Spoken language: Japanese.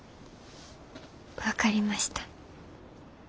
分かりました。